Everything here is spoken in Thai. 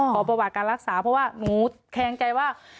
ขอประวัติการรักษาเพราะว่าหนูแคลงใจว่า